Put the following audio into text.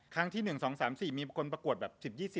ครั้งที่๑๒๓๔มีคนประกวดแบบ๑๐๒๐๓๐